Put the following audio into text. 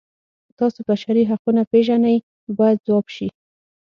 تاسو بشري حقونه پیژنئ باید ځواب شي.